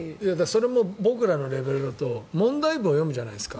それも僕らのレベルだと問題文を読むじゃないですか。